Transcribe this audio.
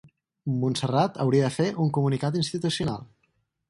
Montserrat hauria de fer un comunicat institucional.